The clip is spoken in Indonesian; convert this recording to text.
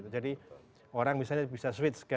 jadi orang bisa switch